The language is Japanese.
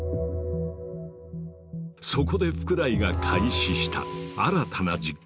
そこで福来が開始した新たな実験。